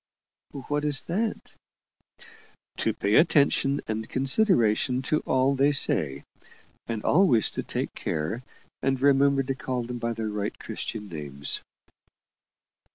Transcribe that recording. "What is that?" "To pay attention and consideration to all they say; and always to take care and remember to call them by their right Christian names."